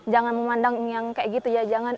jangan memandang yang kayak gitu ya jangan